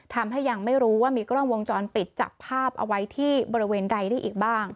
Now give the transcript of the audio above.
ทำให้ยังไม่รู้ว่ามีกล้องวงจรปิดจับภาพเอาไว้ที่บริเวณใดได้อีกบ้าง